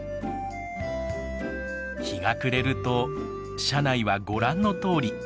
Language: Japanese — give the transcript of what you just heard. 日が暮れると車内はご覧のとおり。